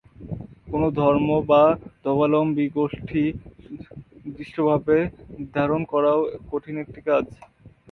কোনো ধর্ম বা ধর্মাবলম্বী গোষ্ঠী সুনির্দিষ্টভাবে নির্ধারণ করাও কঠিন একটি কাজ।